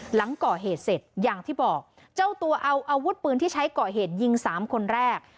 หลังก่อเหตุเสร็จอย่างที่บอกเจ้าตัวเอาอาวุธปืนที่ใช้ก่อเหตุยิงสามคนแรก